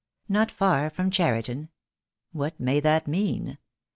Not far from Cheriton? What may that mean?